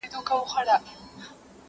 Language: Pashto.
o له ښاره ووزه، له نرخه ئې مه وزه٫